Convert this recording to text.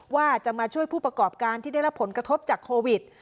ว่าจะมาช่วยผู้ประกอบการที่ได้รับผลกระทบจากโควิด